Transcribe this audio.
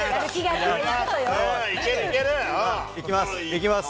いきます。